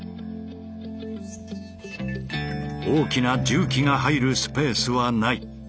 大きな重機が入るスペースはない。